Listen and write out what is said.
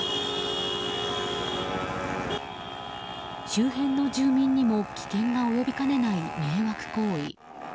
周辺の住民にも危険が及びかねない迷惑行為。